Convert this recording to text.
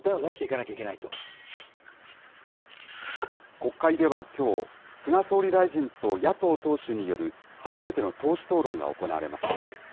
国会ではきょう、菅総理大臣と野党党首による初めての党首討論が行われます。